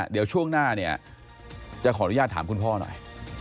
เดี๋ยวช่วงหน้าเนี่ยจะขออนุญาตถามคุณพ่อหน่อย